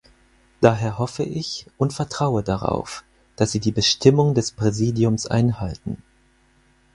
Daher hoffe ich und vertraue darauf, dass Sie die Bestimmungen des Präsidiums einhalten.